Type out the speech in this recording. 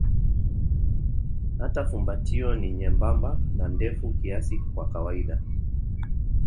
Hata fumbatio ni nyembamba na ndefu kiasi kwa kawaida.